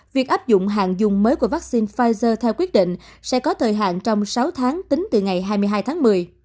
việc áp dụng hàng dùng mới của vaccine pfizer theo quyết định sẽ có thời hạn trong sáu tháng tính từ ngày hai mươi hai tháng một mươi